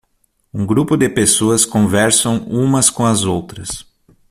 Um grupo de pessoas conversam umas com as outras.